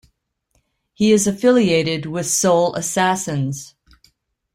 He is affiliated with Soul Assassins.